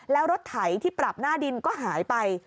แล้วรถไถที่ปรับหน้าดินก็หายไป